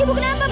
ibu kenapa bu